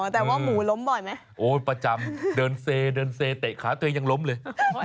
แต่ว่าหมูล้มบ่อยไหมโอ้ยประจำเดินเซเดินเซเตะขาตัวเองยังล้มเลย